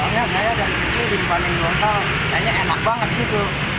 pokoknya saya dari kecil dimakani dongkal